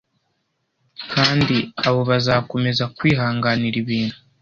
Kandi abo bazakomeza kwihanganira ibintu. "